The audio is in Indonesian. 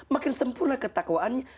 makin sempurna ketakwaannya